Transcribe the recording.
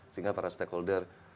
sehingga para stakeholder